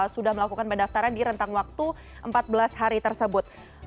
sudah melakukan pendaftaran di rentang waktu empat belas hari tersebut